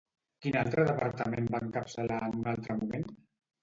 Quin altre departament va encapçalar en un altre moment?